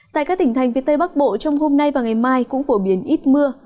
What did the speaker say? tại các tỉnh thành phía tây bắc bộ trong hôm nay và ngày mai cũng phổ biến ít mưa